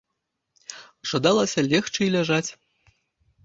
Жадалася легчы і ляжаць.